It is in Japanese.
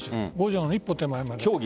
５条の一歩手前まで。